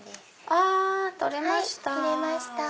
あ取れました！